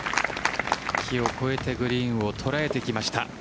木を越えてグリーンを捉えてきました。